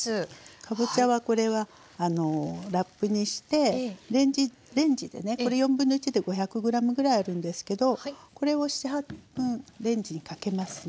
かぼちゃはこれはラップにしてレンジでねこれ1/4で５００ｇぐらいあるんですけどこれを７８分レンジにかけますね。